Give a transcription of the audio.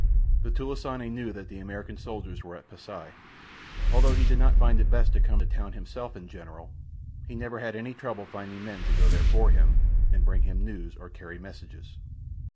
The "tulisane" knew that the American soldiers were at Pasi. Although he did not find it best to come to town himself, in general, he never had any trouble finding men to go there for him, and bring him news, or carry messages.